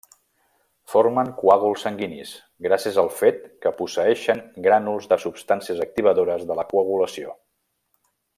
Formen coàguls sanguinis, gràcies al fet que posseïxen grànuls de substàncies activadores de la coagulació.